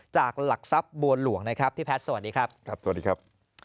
จากหลักทรัพย์บัวหลวงนะครับพี่แพทย์สวัสดีครับ